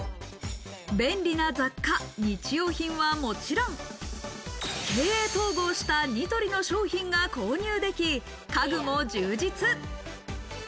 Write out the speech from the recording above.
便利な雑貨、日用品はもちろん、経営統合したニトリの商品が購入でき、家具も充実。